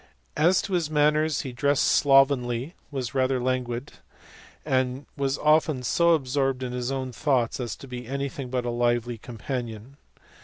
As to his manners, he dressed slovenly, was rather languid, and was often so absorbed in his own thoughts as to be anything but a lively companion.